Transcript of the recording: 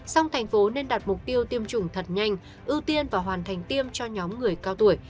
song thành phố nên đặt mục tiêu tiêm chủng thật nhanh ưu tiên và hoàn thành tiêm cho nhóm người cao tuổi